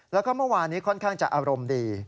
แล้วก็เมื่อวานนี้ค่อนข้างจะอารมณ์ดี